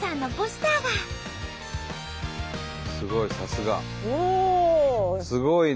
すごいね。